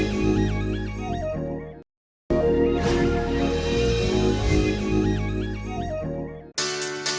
sampai jumpa lagi